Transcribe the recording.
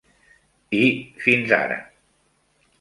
I, fins ara.